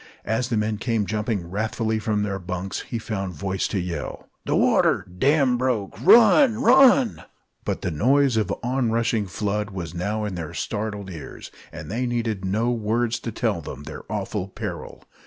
As the men came jumping wrathfully from their bunks, he found voice to yell: "The water! Dam broke! Run! Run!" But the noise of the onrushing flood was now in their startled ears, and they needed no words to tell them their awful peril.